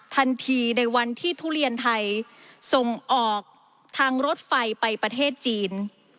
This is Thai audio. ทันทีในวันที่ทุเรียนไทยส่งออกทางรถไฟไปประเทศจีน